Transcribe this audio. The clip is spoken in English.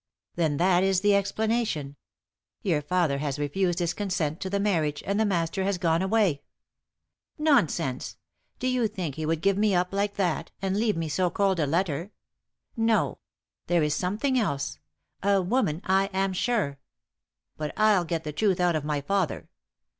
"Then that is the explanation. Your father has refused his consent to the marriage, and the Master has gone away." "Nonsense! Do you think he would give me up like that, and leave me so cold a letter? No. There is something else a woman, I am sure. But I'll get the truth out of my father.